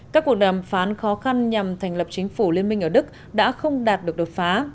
các cuộc đàm phán khó khăn nhằm thành lập chính phủ liên minh ở đức đã không đạt được đột phá